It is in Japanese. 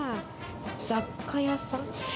雑貨屋さん？